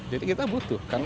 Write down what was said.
jadi kita butuh karena